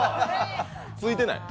ついてない。